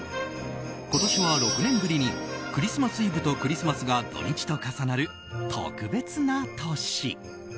今年は６年ぶりにクリスマスイブとクリスマスが土日と重なる特別な年。